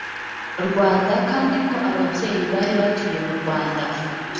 rwanda kandi ko ababyeyi bari batuye murwanda